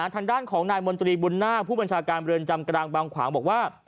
ฐานด้านของนายมณฑลิบุ่นน่าผู้บัญชาการบริเวณจำกรางบางขวางบอกว่า